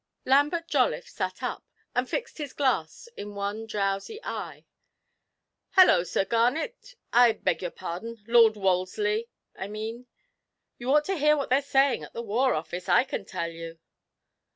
Lambert Jolliffe sat up, and fixed his glass in one drowsy eye. 'Hullo, Sir Garnet I beg your pardon, Lord Wolseley, I mean. You ought to hear what they're saying at the War Office, I can tell you!'